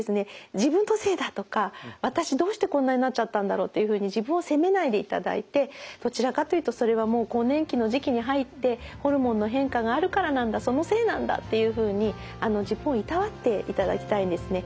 自分のせいだとか私どうしてこんなになっちゃったんだろうっていうふうに自分を責めないでいただいてどちらかというとそれはもう更年期の時期に入ってホルモンの変化があるからなんだそのせいなんだっていうふうに自分をいたわっていただきたいんですね。